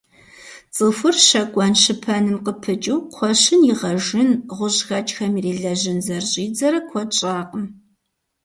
ЦӀыхур щэкӀуэн-щыпэным къыпыкӀыу, кхъуэщын игъэжын, гъущӀхэкӀхэм ирилэжьэн зэрыщӀидзэрэ куэд щӀакъым.